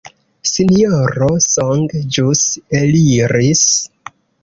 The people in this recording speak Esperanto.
Sinjoro Song ĵus eliris.